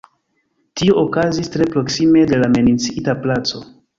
Tio okazis tre proksime de la menciita placo.